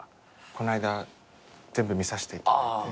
この間全部見させていただいて。